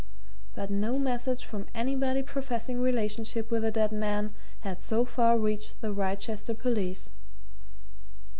But no message from anybody professing relationship with the dead man had so far reached the Wrychester police.